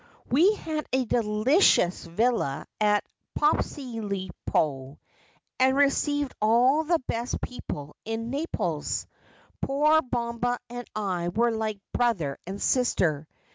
' We had a delicious villa at Posilipo, and received all the best people in Naples. Poor Bomba and I were like brother and sister.